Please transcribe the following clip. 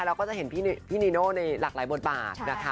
เราก็จะเห็นพี่นีโน่ในหลากหลายบทบาทนะคะ